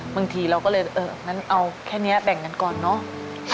บางทีเราก็เลยเอองั้นเอาแค่นี้แบ่งกันก่อนเนอะ